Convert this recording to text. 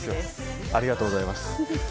ありがとうございます。